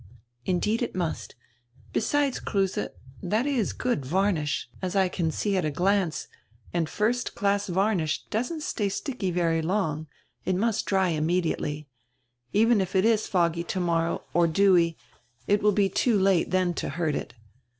"Indeed it must. Besides, Kruse, that is good varnish, as I can see at a glance, and first class varnish doesn't stay sticky very long, it must dry immediately. Even if it is foggy tomorrow, or dewy, it will he too late then to hurt it.